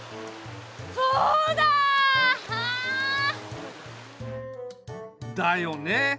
そうだ！あ！だよね。